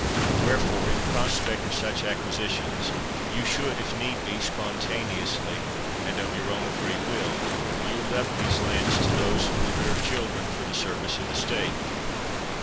Wherefore, in prospect of such acquisi tions, you should if need be spontaneously, and of your own free will, yield up these lands to those who will rear children for the service of the State.